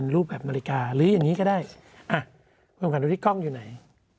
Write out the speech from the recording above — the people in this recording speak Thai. รูปแบบนาฬิกาหรืออย่างนี้ก็ได้อ่ะคุณขวัญดูที่กล้องอยู่ไหน